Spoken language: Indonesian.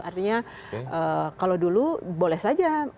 artinya kalau dulu boleh saja